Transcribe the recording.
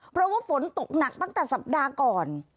เพราะว่าฝนตกหนักตั้งแต่สัปดาห์ก่อน